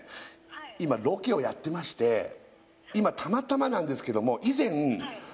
今ロケをやってまして今たまたまなんですけどもそうですよね